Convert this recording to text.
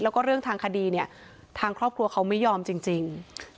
แล้วก็เรื่องทางคดีเนี่ยทางครอบครัวเขาไม่ยอมจริง